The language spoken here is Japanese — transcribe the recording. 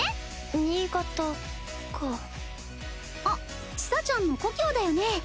あっ千紗ちゃんの故郷だよね。